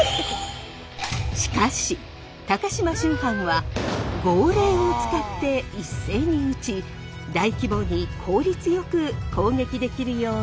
しかし高島秋帆は号令を使って一斉に撃ち大規模に効率よく攻撃できるようにしたのです。